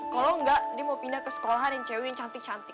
kalau enggak dia mau pindah ke sekolahan yang cewek yang cantik cantik